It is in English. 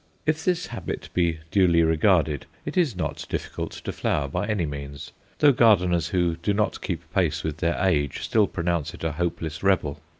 If this habit be duly regarded, it is not difficult to flower by any means, though gardeners who do not keep pace with their age still pronounce it a hopeless rebel.